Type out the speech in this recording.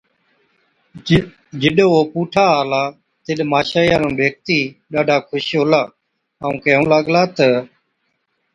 جِڏ او پُوٺا آلا تِڏ ماشائِي نُون ڏيکتِي ڏاڍا خُوش هُلا، ائُون ڪيهُون لاگلا تہ،